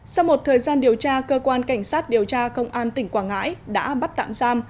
sau một thời gian điều tra cơ quan cảnh sát điều tra công an tỉnh quảng ngãi đã bắt tạm giam